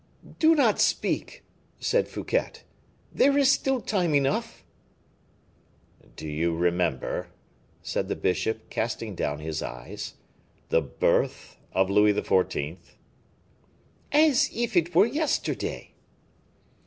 "Do not speak!" said Fouquet: "there is still time enough." "Do you remember," said the bishop, casting down his eyes, "the birth of Louis XIV.?" "As if it were yesterday."